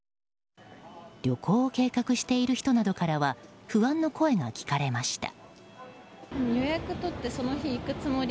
旅行を計画している人などからは不安の声も聞かれました。